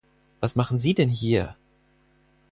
Was machen Sie denn hier!